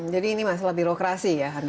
jadi ini masalah birokrasi ya